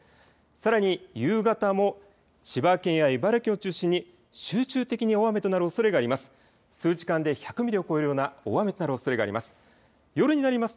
さらに夕方も千葉県や茨城県を中心に集中的に大雨となるおそれがあります。